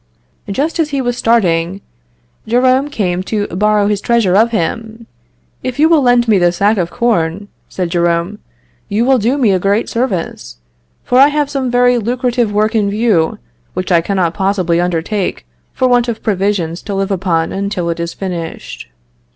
Just as he was starting, Jerome came to borrow his treasure of him. "If you will lend me this sack of corn," said Jerome, "you will do me a great service; for I have some very lucrative work in view, which I cannot possibly undertake, for want of provisions to live upon until it is finished."